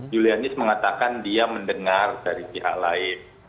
julianis mengatakan dia mendengar dari pihak lain